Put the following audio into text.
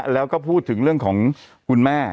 แล้วก็พูดถึงเรื่องของคุณแม่